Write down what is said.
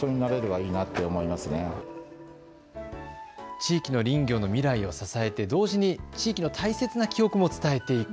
地域の林業で未来を支えて同時に地域の大切な記憶を伝えていく。